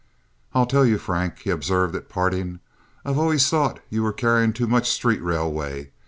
"I'll tell you, Frank," he observed at parting, "I've always thought you were carrying too much street railway.